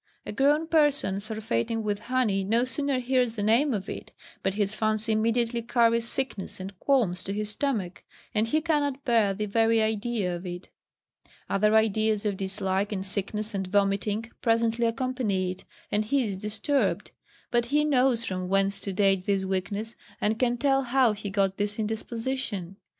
A grown person surfeiting with honey no sooner hears the name of it, but his fancy immediately carries sickness and qualms to his stomach, and he cannot bear the very idea of it; other ideas of dislike, and sickness, and vomiting, presently accompany it, and he is disturbed; but he knows from whence to date this weakness, and can tell how he got this indisposition.